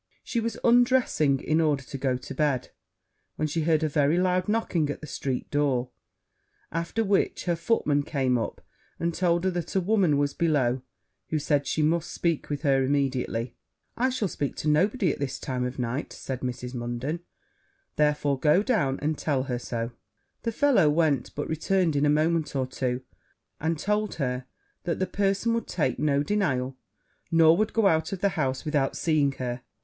She was undressing, in order to go to bed, when she heard a very loud knocking at the street door; after which her footman came up, and told her that a woman was below, who said she must speak with her immediately. 'I shall speak to nobody at this time of the night,' said Mrs. Munden; 'therefore go down and tell her so.' The fellow went; but returned in a moment or two, and told her that the person would take no denial, nor would go out of the house without seeing her.